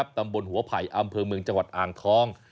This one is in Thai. ตำบลหัวไผ่อำเภอเมืองจังหวัดอ่างทอง